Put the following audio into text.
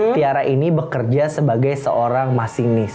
tiara ini bekerja sebagai seorang masinis